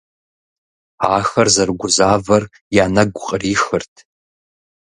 Ахэр зэрыгузавэр я нэгу кърихырт.